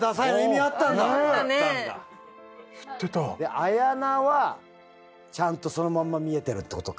彩奈はちゃんとそのまんま見えてるって事か。